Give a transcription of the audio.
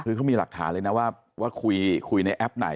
คือเขามีหลักฐานเลยนะว่าคุยในแอปไหน